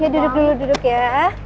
duduk dulu duduk ya